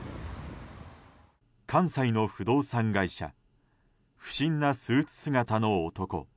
関西の不動産会社不審なスーツ姿の男